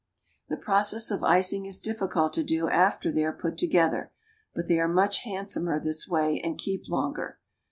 The process of icing is difficult to do after they are put together, but they are much handsomer this way, and keep longer.